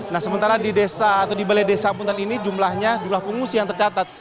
nah sementara di desa atau di balai desa punten ini jumlahnya jumlah pengungsi yang tercatat